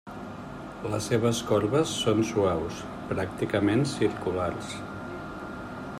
Les seves corbes són suaus, pràcticament circulars.